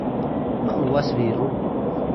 m’was biru